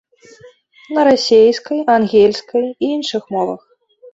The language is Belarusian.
На расейскай, ангельскай і іншых мовах.